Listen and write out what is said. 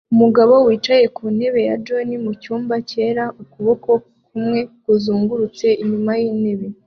Umugabo wicaye ku ntebe ya john mucyumba cyera ukuboko kumwe kuzungurutse inyuma yintebe